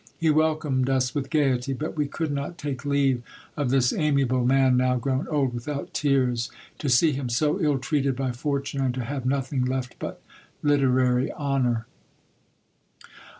He welcomed us with gaiety, but we could not take leave of this amiable man, now grown old, without tears, to see him so ill treated by fortune, and to have nothing left but literary honour!"